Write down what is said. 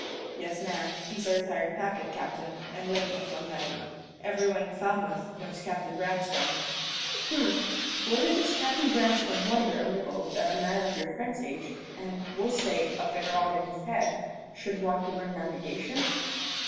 "Yes, ma'am. He's a retired packet captain, and lame of one leg. Every one in Falmouth knows Captain Branscome." "H'm! Wouldn't this Captain Branscome wonder a little that a man of your friend's age, and (we'll say) a bit wrong in his head, should want to learn navigation?"